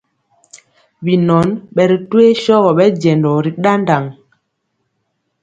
Binɔn ɓɛ ri toyee sɔgɔ ɓɛ jɛnjɔ ri ɗaɗaŋ.